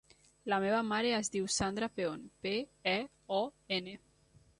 La meva mare es diu Sandra Peon: pe, e, o, ena.